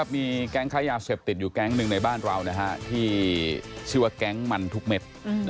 มีแก๊งค้ายาเสพติดอยู่แก๊งหนึ่งในบ้านเราที่ชื่อว่าแก๊งมันทุกเม็ด